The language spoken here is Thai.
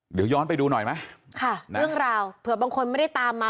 เดี๋ยวย้อนไปดูหน่อยไหมค่ะเรื่องราวเผื่อบางคนไม่ได้ตามมา